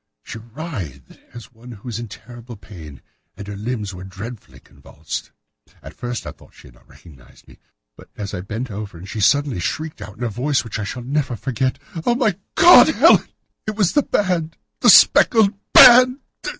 She writhed as one who is in terrible pain, and her limbs were dreadfully convulsed. At first I thought that she had not recognised me, but as I bent over her she suddenly shrieked out in a voice which I shall never forget, 'Oh, my God! Helen! It was the band! The speckled band!